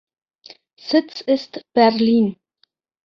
Sitz ist Berlin.